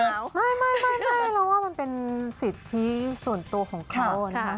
ไม่เราว่ามันเป็นสิทธิส่วนตัวของเขานะคะ